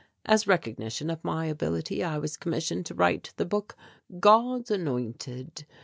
As recognition of my ability I was commissioned to write the book 'God's Anointed.'